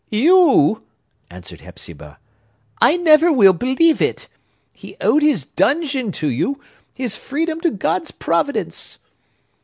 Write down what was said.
"You!" answered Hepzibah. "I never will believe it! He owed his dungeon to you; his freedom to God's providence!"